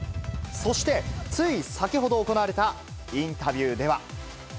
そして、つい先ほど行われたインタビューでは。